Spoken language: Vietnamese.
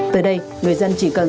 tới đây người dân trực tuyến